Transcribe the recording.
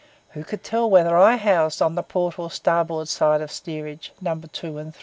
Who could tell whether I housed on the port or starboard side of steerage No. 2 and 3?